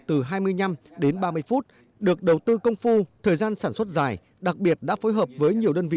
từ hai mươi năm đến ba mươi phút được đầu tư công phu thời gian sản xuất dài đặc biệt đã phối hợp với nhiều đơn vị